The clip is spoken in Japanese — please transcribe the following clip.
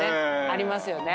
ありますよね。